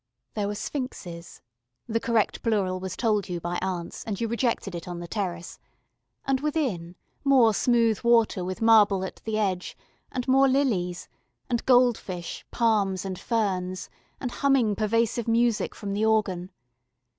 There were Sphinxes the correct plural was told you by aunts, and you rejected it on the terrace and, within, more smooth water with marble at the edge and more lilies, and goldfish, palms, and ferns, and humming pervasive music from the organ.